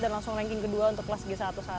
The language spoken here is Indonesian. dan langsung ranking kedua untuk kelas g sebelas